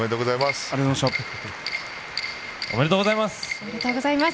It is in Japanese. ありがとうございます。